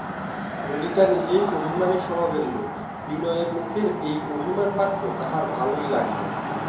ললিতা নিজে অভিমানী স্বভাবের লোক, বিনয়ের মুখের এই অভিমানবাক্য তাহার ভালোই লাগিল।